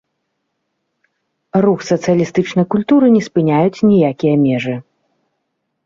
Рух сацыялістычнай культуры не спыняюць ніякія межы.